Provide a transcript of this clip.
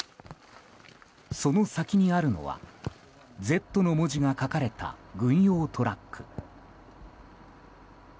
その先にあるのは「Ｚ」の文字が書かれた軍用トラック。